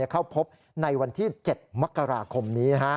เข้าพบในวันที่๗มกราคมนี้